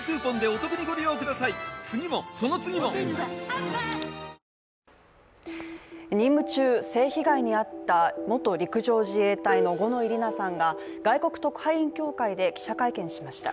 「碧Ａｏ」任務中、性被害に遭った元陸上自衛隊の五ノ井里奈さんが外国特派員協会で記者会見しました。